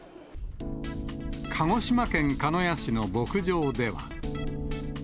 鹿児島県鹿屋市の牧場では。